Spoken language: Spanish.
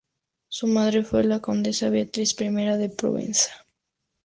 Su madre fue la condesa Beatriz I de Provenza.